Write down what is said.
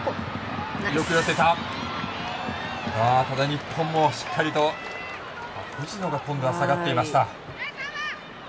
日本もしっかりと藤野が下がっていました。